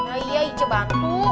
ayah ije bantu